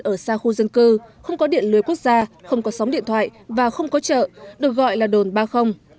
ở xa khu dân cư không có điện lưới quốc gia không có sóng điện thoại và không có chợ được gọi là đồn ba mươi